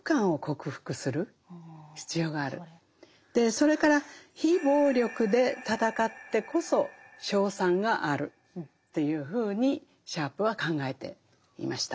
それから非暴力で戦ってこそ勝算があるっていうふうにシャープは考えていました。